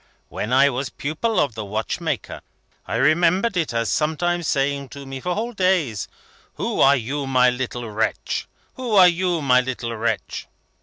When I was pupil of the watchmaker, I remembered it as sometimes saying to me for whole days, 'Who are you, my little wretch? Who are you, my little wretch?'